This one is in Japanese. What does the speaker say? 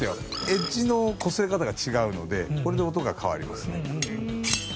エッジのこすれ方が違うのでこれで音が変わりますね。